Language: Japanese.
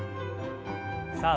さあ